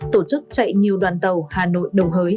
tổ chức chạy nhiều đoàn tàu hà nội đồng hới